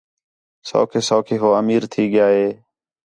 سَوکھے سَوکھے ہو امیر تھی ڳِیا ہِے